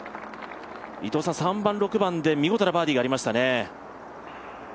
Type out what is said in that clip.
３番、６番で見事なバーディーがありましたね。